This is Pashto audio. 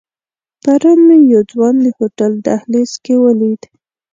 پرون مې یو ځوان د هوټل دهلیز کې ولید.